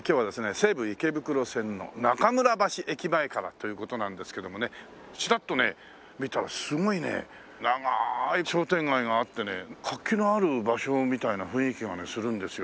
西武池袋線の中村橋駅前からという事なんですけどもねチラッと見たらすごい長い商店街があってね活気のある場所みたいな雰囲気がねするんですよ。